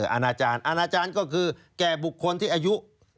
อาณาจารย์ก็คือแก่บุคคลที่อายุ